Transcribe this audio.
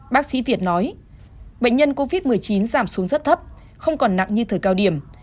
bác sĩ việt nói bệnh nhân covid một mươi chín giảm xuống rất thấp không còn nặng như thời cao điểm